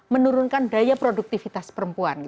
menurunkan daya produktivitas perempuan